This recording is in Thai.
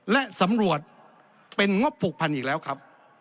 และสำรวจเป็นงบผูกพันอีกแล้วครับ